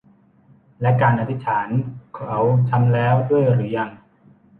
และการอธิษฐานเขาทำแล้วด้วยหรือยัง